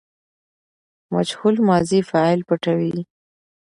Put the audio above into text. مجهول ماضي فاعل پټوي.